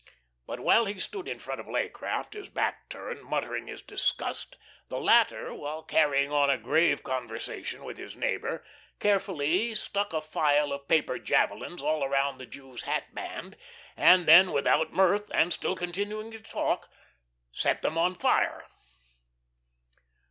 But while he stood in front of Leaycraft, his back turned, muttering his disgust, the latter, while carrying on a grave conversation with his neighbour, carefully stuck a file of paper javelins all around the Jew's hat band, and then still without mirth and still continuing to talk set them on fire.